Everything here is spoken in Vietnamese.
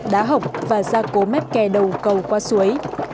đá hộc và gia cố mép kè đầu cầu qua suối